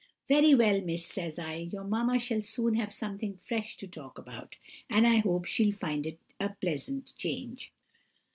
"'Very well, miss,' says I, 'your mamma shall soon have something fresh to talk about, and I hope she'll find it a pleasant change.